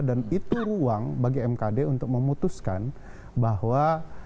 dan itu ruang bagi mkd untuk memutuskan bahwa